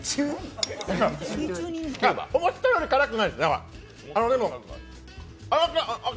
思ったより辛くないですね。